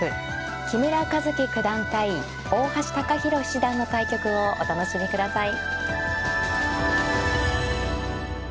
木村一基九段対大橋貴洸七段の対局をお楽しみください。